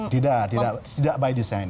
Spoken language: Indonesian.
tidak tidak by design